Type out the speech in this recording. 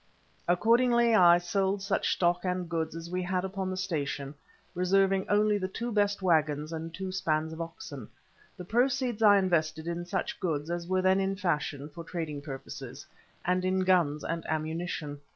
Accordingly I sold such stock and goods as we had upon the station, reserving only the two best waggons and two spans of oxen. The proceeds I invested in such goods as were then in fashion, for trading purposes, and in guns and ammunition.